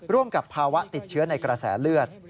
กับภาวะติดเชื้อในกระแสเลือด